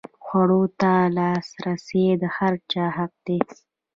خوړو ته لاسرسی د هر چا حق دی.